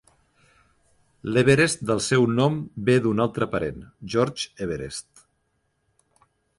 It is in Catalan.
L'Everest del seu nom ve d'un altre parent, George Everest.